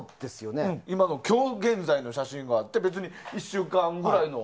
今の今日現在の写真があって別に、１週間ぐらいの。